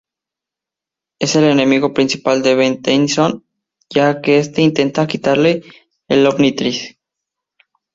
Es el enemigo principal de Ben Tennyson ya que este intenta quitarle el Omnitrix.